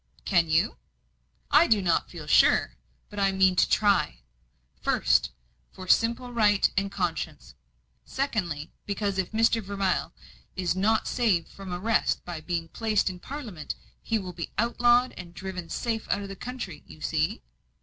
"Can you?" "I do not feel sure, but I mean to try. First, for simple right and conscience; secondly, because if Mr. Vermilye is not saved from arrest by being placed in Parliament, he will be outlawed and driven safe out of the country. You see?"